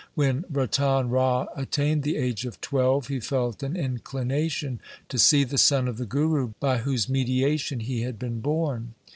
When Ratan Rai attained the age of twelve, he felt an inclination to see the son of the Guru by whose mediation he had been born.